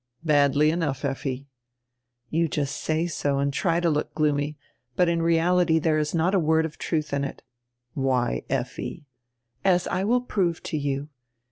"Badly enough, Efli." "You just say so and try to look gloomy, but in reality diere is not a word of truth in it." "Why, Efli " "As I will prove to you.